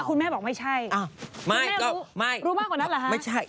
คุณแม่บอกไม่ใช่อ้าวไม่รู้มากกว่านั้นเหรอฮะไม่ใช่